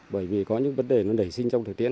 bởi vì có những vấn đề nó đẩy sinh trong thời tiến